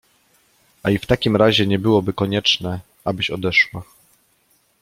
A i w takim razie nie byłoby konieczne, abyś odeszła…